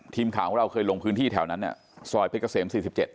ทีมข่าวของเราเคยลงพื้นที่แถวนั้นเนี่ยซอยเพชรเกษม๔๗